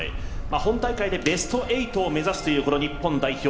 本大会でベスト８を目指すというこの日本代表。